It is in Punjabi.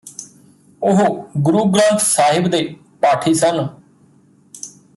ਉਹ ਗੁਰੂ ਗ੍ਰੰਥ ਸਾਹਿਬ ਦੇ ਪਾਠੀ ਸਨ